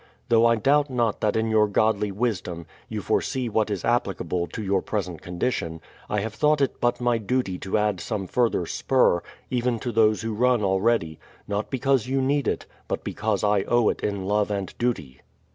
Though I doubt not that in your godly wisdom, you foresee what is applicable to your present condition, I have thought It but my duty to add some further spur, even to those who run already, — not because you need it, but because I owe it in love and duty.